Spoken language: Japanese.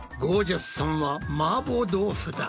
ジャスさんはマーボー豆腐だ。